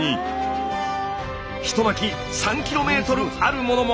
一巻き３ｋｍあるものも！